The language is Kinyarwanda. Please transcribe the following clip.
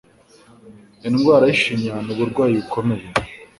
Indwara y'ishinya ni uburwayi bukomeye